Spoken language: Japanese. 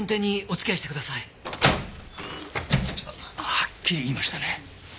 はっきり言いましたね。